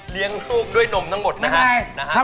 เลี้ยงทูกด้วยนมทั้งหมดนะครับ